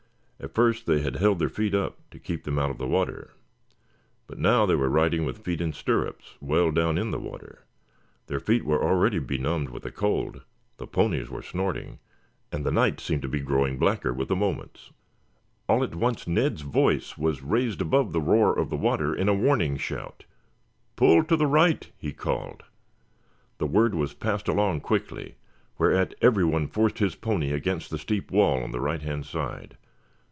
At first they had held their feet up, to keep them out of the water. But now they were riding with feet in stirrups, well down in the water. Their feet were already benumbed with the cold, the ponies were snorting, and the night seemed to be growing blacker with the moments. All at once Ned's voice was raised above the roar of the water in a warning shout. "Pull to the right!" he called. The word was passed along quickly, whereat every one forced his pony against the steep wall on the right hand side.